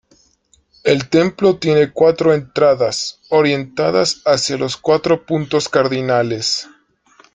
El templo tiene cuatro entradas, orientadas hacia los cuatro punto cardinales.